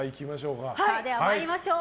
では、参りましょう。